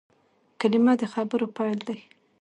کلیمه د خبرو پیل دئ.